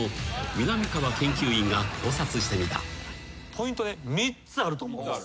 ポイントね３つあると思うんです。